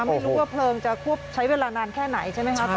ไม่รู้ว่าเพลิงจะควบใช้เวลานานแค่ไหนใช่ไหมครับ